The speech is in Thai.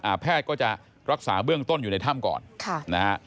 แพทย์ก็จะรักษาเบื้องต้นอยู่ในถ้ำก่อนค่ะนะฮะ